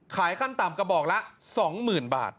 ขั้นต่ำกระบอกละ๒๐๐๐บาท